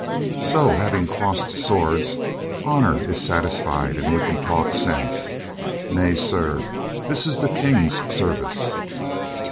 "So, having crossed swords, honor Is satisfied and we can talk sense. Nay, sir, this is the King's service."